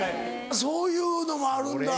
そういうのがあるんだ。